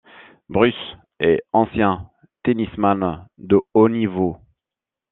Bruce est ancien tennisman de haut niveau.